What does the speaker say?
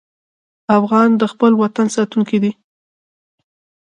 افغان د خپل وطن ساتونکی دی.